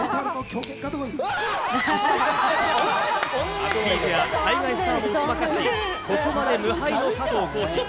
アスリートや海外スターも打ち負かし、ここまで無敗の加藤浩次。